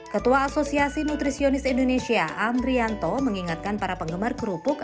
ketua asosiasi nutrisionis indonesia amrianto mengingatkan para penggemar kerupuk